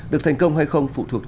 được thành công hay không phụ thuộc